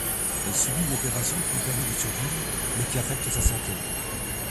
Elle subit une opération qui lui permet de survivre mais qui affecte sa santé.